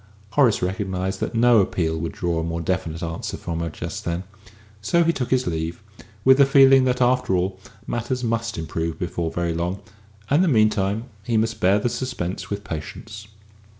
Horace recognised that no appeal would draw a more definite answer from her just then; so he took his leave, with the feeling that, after all, matters must improve before very long, and in the meantime he must bear the suspense with patience.